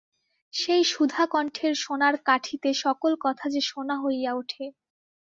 সেই সুধাকণ্ঠের সোনার কাঠিতে সকল কথা যে সোনা হইয়া ওঠে।